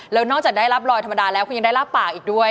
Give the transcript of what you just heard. แล้วนอกจากได้รับรอยธรรมดาแล้วคุณยังได้รับปากอีกด้วย